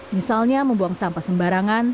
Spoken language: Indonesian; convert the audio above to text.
misalnya membuang sampah sembarangan